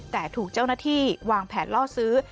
แต่ถูกเจ้าหน้าที่วางแผนล่อซื้อ